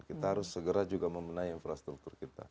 kita harus segera juga memenai infrastruktur kita